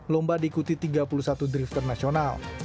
lomba diikuti tiga puluh satu drifter nasional